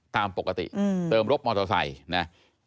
ตามปกติเติมรถมอเตอร์ไซค์นะ